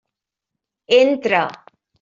Entra.